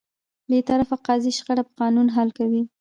بېطرفه قاضي شخړه په قانون حل کوي.